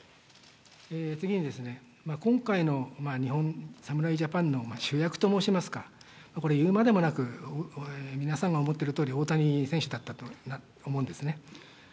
次に、今回の日本、侍ジャパンの主役と申しますか、言うまでもなく皆さんが思ってるとおり、大谷選手だったと思うんですね。